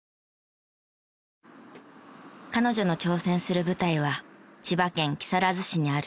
彼女の挑戦する舞台は千葉県木更津市にあるカヌレ専門店。